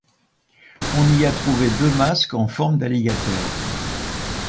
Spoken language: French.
On y a trouvé deux masques en forme d’alligator.